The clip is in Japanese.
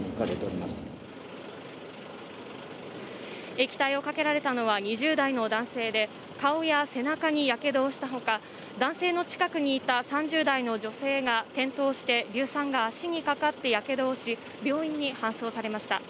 液体をかけられたのは２０代の男性で顔や背中にやけどをした他男性の近くにいた３０代の女性が転倒して硫酸が足にかかって、やけどをし病院に搬送されました。